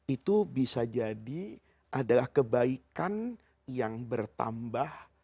itu bisa jadi adalah kebaikan yang bertambah